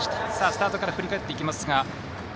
スタートから振り返っていきます。